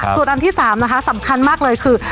ส่วนอันที่๓นะคะสำคัญมากเลยคือ